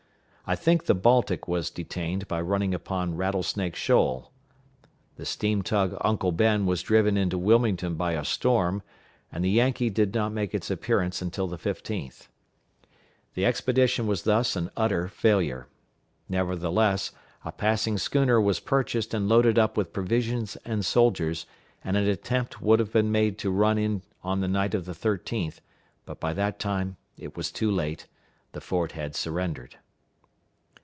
I think the Baltic was detained by running upon Rattlesnake Shoal. The steam tug Uncle Ben was driven into Wilmington by a storm, and the Yankee did not make its appearance until the 15th. The expedition was thus an utter failure. Nevertheless, a passing schooner was purchased and loaded up with provisions and soldiers, and an attempt would have been made to run in on the night of the 13th, but by that time it was too late. The fort had surrendered.